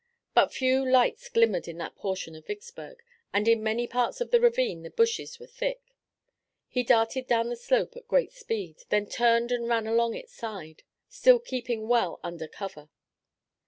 But few lights glimmered in that portion of Vicksburg, and in many parts of the ravine the bushes were thick. He darted down the slope at great speed, then turned and ran along its side, still keeping well under cover.